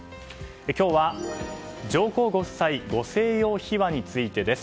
今日は上皇ご夫妻ご静養秘話についてです。